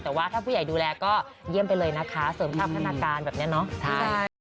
แต่ว่าถ้าผู้ใหญ่ดูแลก็เยี่ยมไปเลยนะคะเสริมภาพพัฒนาการแบบนี้เนาะ